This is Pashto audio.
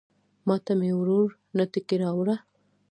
ماته مې ورور نتکۍ راوړه